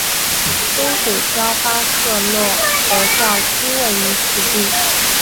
天主教巴科洛德教区位于此地。